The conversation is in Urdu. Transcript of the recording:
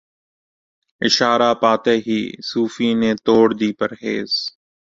اشارہ پاتے ہی صوفی نے توڑ دی پرہیز